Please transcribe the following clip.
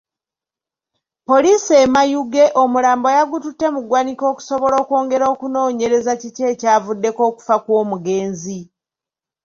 Poliisi e Mayuge omulambo yagututte mu ggwanika okusobola okwongera okunoonyereza kiki ekyavuddeko okufa kw'omugenzi.